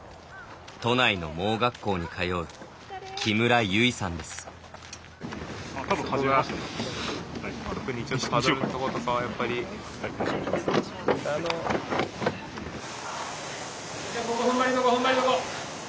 都内の盲学校に通う木村由さんです。